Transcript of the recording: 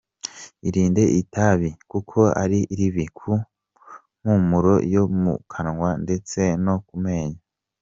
Irinde itabi kuko ari ribi ku mpumuro yo mu kanwa ndetse no ku menyo.